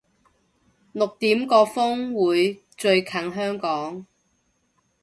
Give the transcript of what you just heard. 六點個風會最近香港